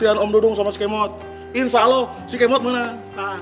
yaudah jemsek jemsek